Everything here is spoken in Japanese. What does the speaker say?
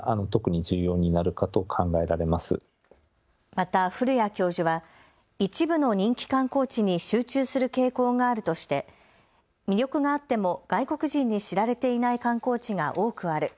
また古屋教授は一部の人気観光地に集中する傾向があるとして魅力があっても外国人に知られていない観光地が多くある。